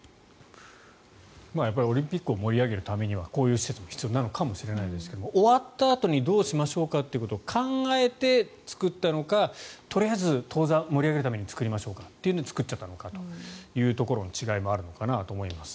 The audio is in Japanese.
やっぱりオリンピックを盛り上げるためにはこういう施設も必要なのかもしれませんが終わったあとにどうしましょうかということを考えて作ったのかとりあえず当座盛り上げるために作りましょうかということで作っちゃったのかというところの違いもあるのかなと思います。